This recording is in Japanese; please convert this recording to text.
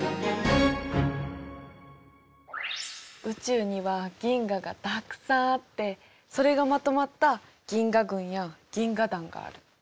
宇宙には銀河がたくさんあってそれがまとまった銀河群や銀河団がある。